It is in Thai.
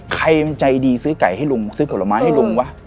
ใครใจดีซื้อไก่ให้ลุงซื้อสำหรับใหม่ให้ลุงวะ